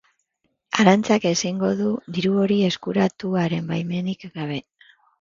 Arantzak ezingo du diru hori eskuratu haren baimenik gabe.